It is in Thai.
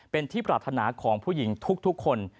เป็นที่ปรารถนาของผู้หญิงทุกคน